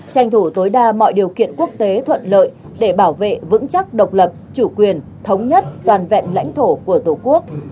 tranh thủ tối đa mọi điều kiện quốc tế thuận lợi để bảo vệ vững chắc độc lập chủ quyền thống nhất toàn vẹn lãnh thổ của tổ quốc